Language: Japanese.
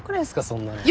そんなの。